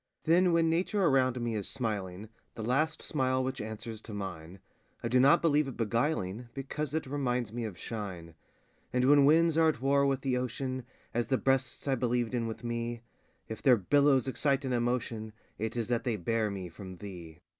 _ Then when nature around me is smiling, The last smile which answers to mine, I do not believe it beguiling, Because it reminds me of shine; And when winds are at war with the ocean, As the breasts I believed in with me, If their billows excite an emotion, It is that they bear me from _thee.